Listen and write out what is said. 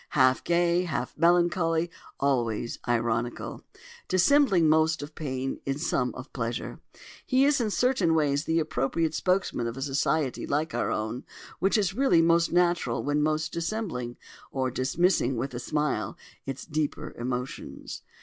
Half gay, half melancholy, always ironical—dissembling most of pain and some of pleasure—he is in certain ways the appropriate spokesman of a society like our own, which is really most natural when most dissembling, or dismissing with a smile, its deeper emotions.